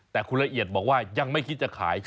แต่คุณละเอียดบอกว่ายังไม่คิดจะขาย